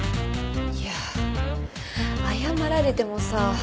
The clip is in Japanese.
いや謝られてもさ。